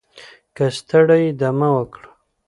که ستړی یې دمه وکړه